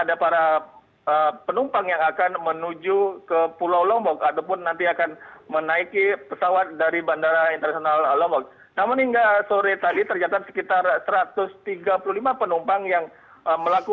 arah angin memang selalu berubah dan cepat